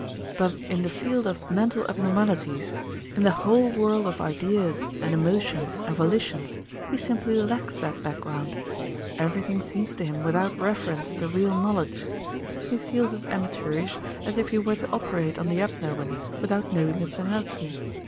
But in the field of mental abnormities, in the whole world of ideas and emotions and volitions, he simply lacks that background. Everything seems to him without reference to real knowledge. He feels as amateurish as if he were to operate on the abdomen without knowing its anatomy.